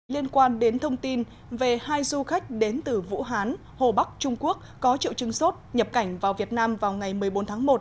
liên quan đến thông tin về hai du khách đến từ vũ hán hồ bắc trung quốc có triệu chứng sốt nhập cảnh vào việt nam vào ngày một mươi bốn tháng một